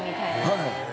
はい。